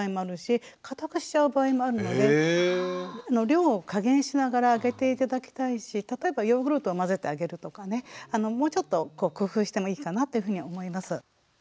量を加減しながらあげて頂きたいし例えばヨーグルトを混ぜてあげるとかねもうちょっと工夫してもいいかなというふうに思います。